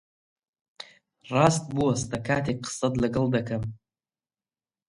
ڕاست بوەستە کاتێک قسەت لەگەڵ دەکەم!